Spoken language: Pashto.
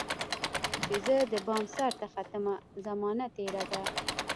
چي زه دبام سرته ختمه، زمانه تیره ده